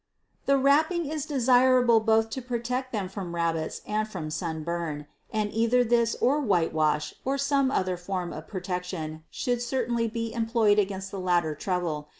The wrapping is desirable both to protect them from rabbits and from sunburn, and either this or whitewash or some other form of protection should certainly be employed against the latter trouble.